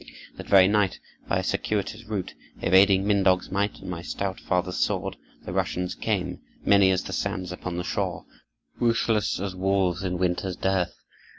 That very night, by a circuitous route, evading Mindog's might and my stout father's sword, the Russians came, many as the sands upon the shore, ruthless as wolves in winter's dearth.